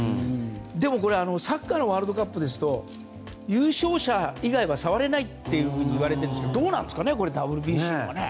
でもこれサッカーのワールドカップですと優勝者以外は触れないといわれているんですけどどうなんですかね、ＷＢＣは。